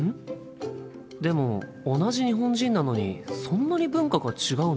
でも同じ日本人なのにそんなに文化が違うのかな？